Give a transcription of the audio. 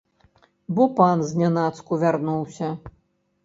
Бо пан знянацку вярнуўся.